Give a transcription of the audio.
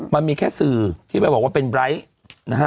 มันมีแค่สื่อที่ไปบอกว่าเป็นไร้นะฮะ